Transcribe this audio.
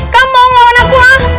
kamu mau ngawin aku ah